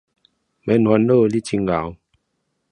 別擔心，你很棒